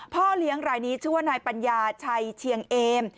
พ่อเลี้ยงรายนี้ชื่อว่านายปัญญาชัยเชียงเอม